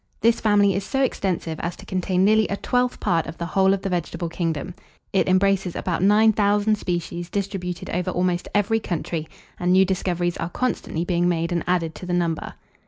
This family is so extensive, as to contain nearly a twelfth part of the whole of the vegetable kingdom. It embraces about 9,000 species, distributed over almost every country; and new discoveries are constantly being made and added to the number.